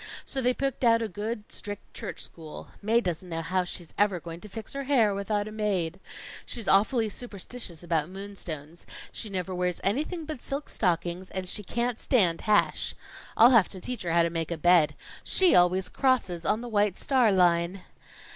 So they picked out a good, strict, church school. Mae doesn't know how she's ever going to fix her hair without a maid. She's awfully superstitious about moonstones. She never wears anything but silk stockings and she can't stand hash. I'll have to teach her how to make a bed. She always crosses on the White Star Line."